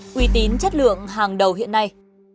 quy tín chất lượng hàng đầu hiện nay